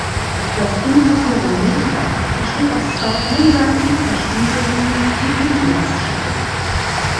Das Interferometer besteht aus zwei einseitig verspiegelten, dicken Glasscheiben.